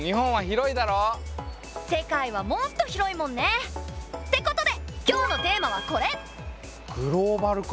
世界はもっと広いもんね！ってことで今日のテーマはこれ！